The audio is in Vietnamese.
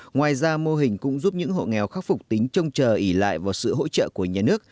ngoài ra mô hình cũng giúp những hộ nghèo khắc phục tính trông chờ ỉ lại vào sự hỗ trợ của nhà nước